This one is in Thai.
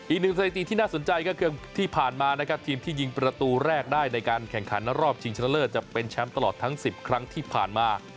สถิติที่น่าสนใจก็คือที่ผ่านมานะครับทีมที่ยิงประตูแรกได้ในการแข่งขันรอบชิงชนะเลิศจะเป็นแชมป์ตลอดทั้ง๑๐ครั้งที่ผ่านมา